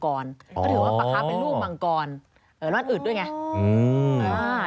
ก็ถือว่าปลาคาร์ฟเป็นลูกมังกร